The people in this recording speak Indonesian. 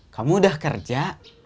kamu sudah kerja